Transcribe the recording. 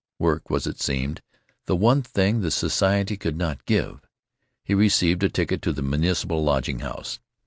Work was, it seemed, the one thing the society could not give. He received a ticket to the Municipal Lodging House.